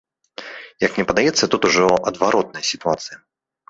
Як мне падаецца, тут ужо адваротная сітуацыя.